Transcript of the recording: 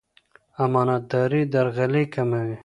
امانتداري درغلي کموي.